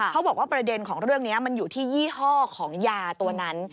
เขาบอกว่าประเด็นของเรื่องนี้มันอยู่ที่ยี่ห้อของยาตัวนั้น